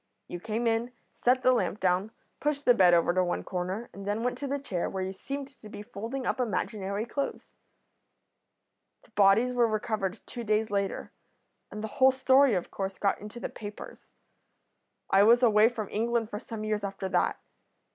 You came in, set the lamp down, pushed the bed over to one corner, and then went to the chair, where you seemed to be folding up imaginary clothes.' "The bodies were recovered two days later, and the whole story of course got into the papers. I was away from England for some years after that.